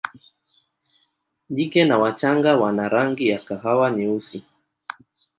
Jike na wachanga wana rangi ya kahawa nyeusi.